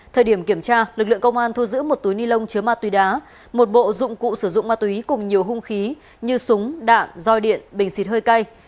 thời điểm kiểm tra lực lượng công an thu giữ một túi ni lông chứa ma túy đá một bộ dụng cụ sử dụng ma túy cùng nhiều hung khí như súng đạn roi điện bình xịt hơi cay